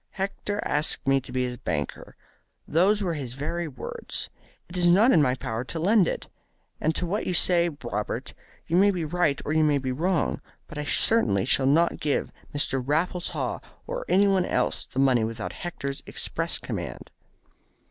Hector asked me to be his banker. Those were his very words. It is not in my power to lend it. As to what you say, Robert, you may be right or you may be wrong, but I certainly shall not give Mr. Raffles Haw or anyone else the money without Hector's express command."